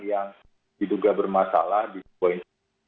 yang diduga bermasalah di sebuah institusi